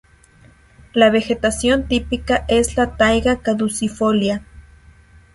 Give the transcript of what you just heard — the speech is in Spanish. La vegetación típica es la taiga caducifolia.